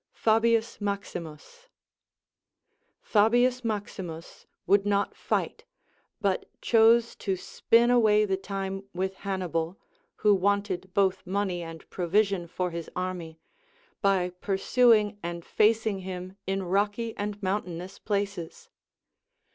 Fabius Maximus. Fabius Maximus would not fight, but chose to spin away the time with Hannibal, — who Avanted both money and provision for his army, — by pursuing and facing him in rocky and mountainous places.